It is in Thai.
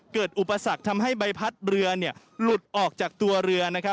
อุปสรรคทำให้ใบพัดเรือหลุดออกจากตัวเรือ